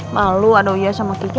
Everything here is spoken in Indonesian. malu adoyah sama kike